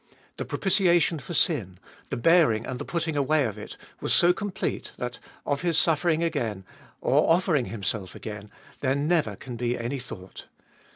The propitiation for sin, the bearing and the putting away of it, was so complete that of His suffering again, or offering Himself again, there never can be any thought.